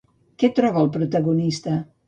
Què troba el protagonista?